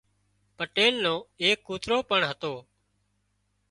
پٽيل نو ايڪ ڪوترو پڻ هتو